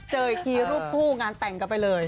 เจออีกทีรูปคู่งานแต่งกันไปเลย